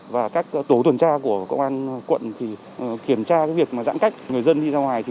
và các tổ tuần tra của công an quận kiểm tra việc giãn cách người dân đi ra ngoài